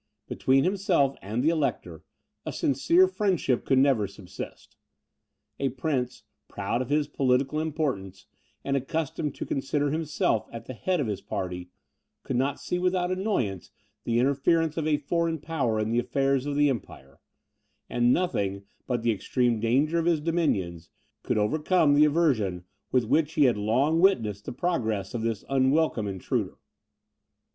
Between himself and the Elector, a sincere friendship could never subsist. A prince, proud of his political importance, and accustomed to consider himself as the head of his party, could not see without annoyance the interference of a foreign power in the affairs of the Empire; and nothing, but the extreme danger of his dominions, could overcome the aversion with which he had long witnessed the progress of this unwelcome intruder.